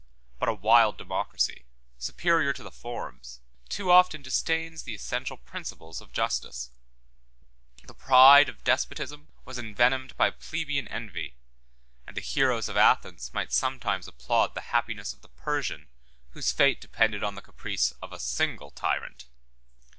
But a wild democracy, superior to the forms, too often disdains the essential principles, of justice: the pride of despotism was envenomed by plebeian envy, and the heroes of Athens might sometimes applaud the happiness of the Persian, whose fate depended on the caprice of a single tyrant.